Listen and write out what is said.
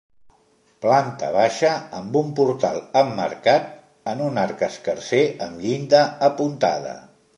Planta baixa amb un portal emmarcat en un arc escarser amb llinda apuntada.